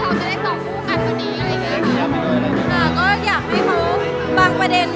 ถึงแม้ว่าผมจะมีปัญหาแบบนี้